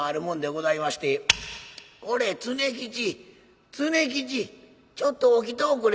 「これ常吉常吉ちょっと起きとぉくれ」。